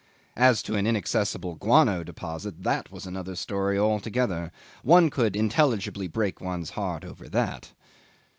As to an inaccessible guano deposit, that was another story altogether. One could intelligibly break one's heart over that.